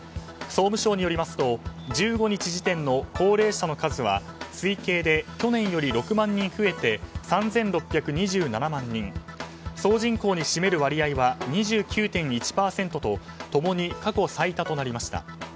総務省によりますと１５日時点の高齢者の数は推計で去年より６万人増えて３６２７万人総人口に占める割合は２９．１％と共に過去最多となりました。